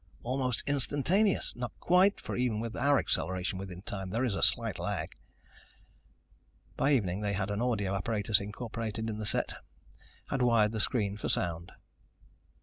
Almost instantaneous. Not quite, for even with our acceleration within time, there is a slight lag." By evening they had an audio apparatus incorporated in the set, had wired the screen for sound.